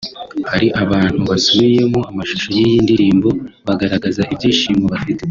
hari abantu basubiyemo amashusho y’iyi ndirimbo bagaragaza ibyishimo bafite